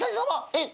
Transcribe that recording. えっ？